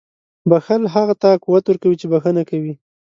• بښل هغه ته قوت ورکوي چې بښنه کوي.